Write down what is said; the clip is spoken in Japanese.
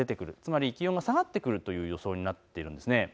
つまり気温が下がってくるという予想になっているんです。